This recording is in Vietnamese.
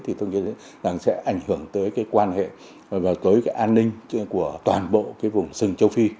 thì tôi nghĩ rằng sẽ ảnh hưởng tới cái quan hệ và tới cái an ninh của toàn bộ cái vùng sừng châu phi